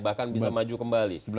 bahkan bisa maju kembali